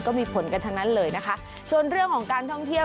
ก็มีผลกันทั้งนั้นเลยนะคะส่วนเรื่องของการท่องเที่ยว